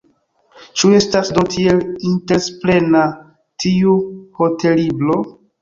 Ĉu estas do tiel interesplena tiu hotellibro?